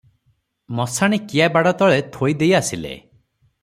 ମଶାଣି କିଆବାଡ଼ ତଳେ ଥୋଇ ଦେଇ ଆସିଲେ ।